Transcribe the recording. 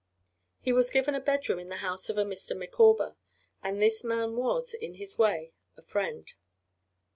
He was given a bedroom in the house of a Mr. Micawber, and this man was, in his way, a friend.